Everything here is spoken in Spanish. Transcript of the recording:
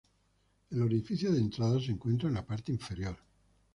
El orificio de entrada se encuentra en la parte inferior.